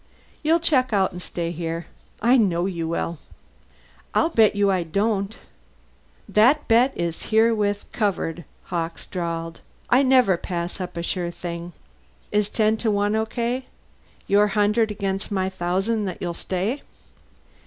You'll check out and stay here. I know you will." "I'll bet you I don't!" "That bet is herewith covered," Hawkes drawled. "I never pass up a sure thing. Is ten to one okay your hundred against my thousand that you'll stay?"